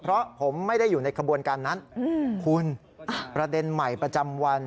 เพราะผมไม่ได้อยู่ในขบวนการนั้นคุณประเด็นใหม่ประจำวัน